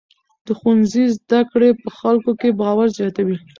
د ښوونځي زده کړې په خلکو کې باور زیاتوي.